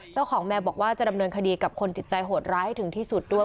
เจ้าของแมวบอกว่าจะดำเนินคดีกับคนจิตใจโหดร้ายให้ถึงที่สุดด้วย